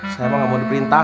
saya emang gak mau diperintah